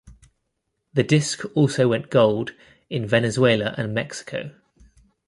The disc also went gold in Venezuela and Mexico.